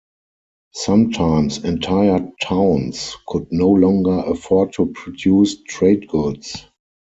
Sometimes entire towns could no longer afford to produce trade goods.